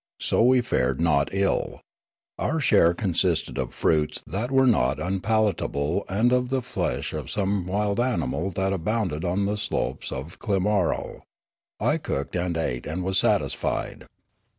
So we fared not ill. Our share consisted of fruits that were not unpalatable and of the flesh of some wild animal that abounded on the slopes of Klimarol. I cooked and ate and was satisfied.